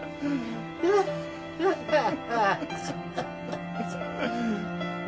ハハハハ。